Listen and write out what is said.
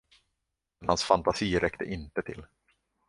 Men hans fantasi räckte inte till.